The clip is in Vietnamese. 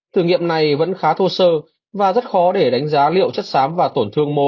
thử nghiệm này vẫn khá thô sơ và rất khó để đánh giá liệu chất xám và tổn thương một